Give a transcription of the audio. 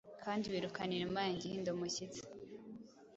Kandi wirukana Inuma yanjye ihinda umushyitsi.